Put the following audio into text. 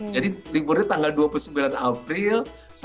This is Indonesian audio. liburnya tanggal dua puluh sembilan april